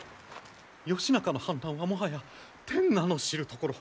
義仲の反乱はもはや天下の知るところ。